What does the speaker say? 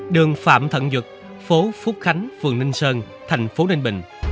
đường phạm thận duật phố phúc khánh phường ninh sơn thành phố ninh bình